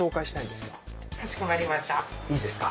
いいですか？